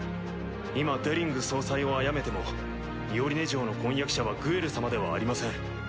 今デリング総裁を殺めてもミオリネ嬢の婚約者はグエル様ではありません。